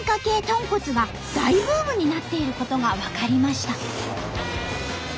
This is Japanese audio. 豚骨が大ブームになっていることが分かりました。